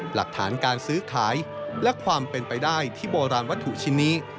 หลักฐานการซื้อขายและความเป็นไปได้ที่โบราณวัตถุชิ้นนี้